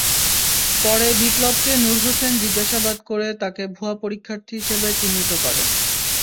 পরে বিপ্লবকে নূর হোসেন জিজ্ঞাসাবাদ করে তাঁকে ভুয়া পরীক্ষার্থী হিসেবে চিহ্নিত করেন।